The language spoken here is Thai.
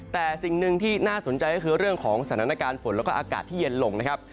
แต่สิ่งหนึ่งที่น่าสนใจก็คือเรื่องของสถานการณ์ฝนแล้วก็อากาศที่เย็นลงนะครับ